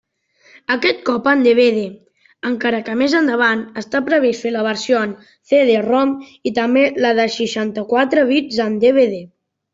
Aquest cop en DVD, encara que més endavant està previst fer la versió en CD-ROM i també la de seixanta-quatre bits en DVD.